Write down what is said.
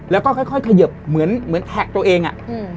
แล้วก็ค่อยเขยิบเหมือนเหมือนแท็กตัวเองอะ